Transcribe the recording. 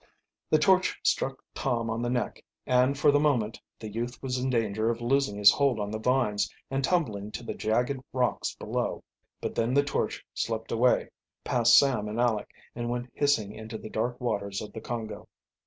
The torch struck Tom on the neck, and for the moment the youth was in danger of losing his hold on the vines and tumbling to the jagged rocks below. But then the torch slipped away, past Sam and Aleck, and went hissing into the dark waters of the Congo.